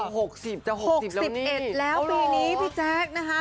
หกสิบจะหกหกสิบเอ็ดแล้วปีนี้พี่แจ๊คนะคะ